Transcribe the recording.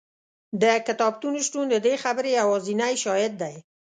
د کتابتون شتون د دې خبرې یوازینی شاهد دی.